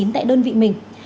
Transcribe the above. tại đơn vị mình